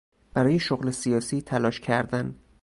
برای شغل سیاسی تلاش کردن